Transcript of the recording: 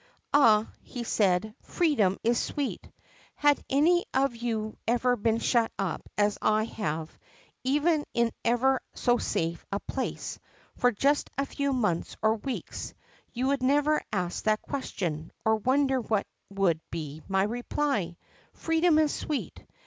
Ah," he said, freedom is sweet ! Had any of you ever been shut up as I have, even in ever so safe a place, for just a few months or weeks, you never would ask that question, or wonder what would be my reply. Freedom is sweet!